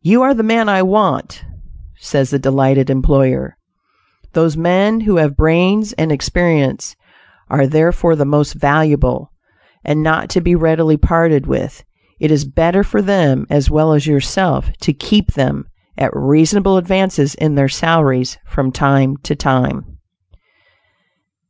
"You are the man I want," says the delighted employer. Those men who have brains and experience are therefore the most valuable and not to be readily parted with; it is better for them, as well as yourself, to keep them, at reasonable advances in their salaries from time to time.